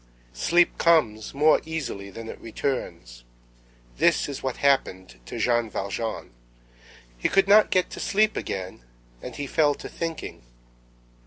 Sleep comes more easily than it returns. This is what happened to Jean Valjean. He could not get to sleep again, and he fell to thinking.